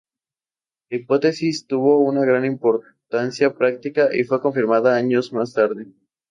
Esta hipótesis tuvo una gran importancia práctica y fue confirmada años más tarde.